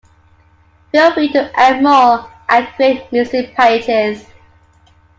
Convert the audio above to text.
Feel free to add more, and create missing pages.